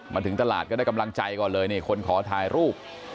มาถึงตลาดก็ได้กำลังใจก่อนเลยนี่คนขอถ่ายรูป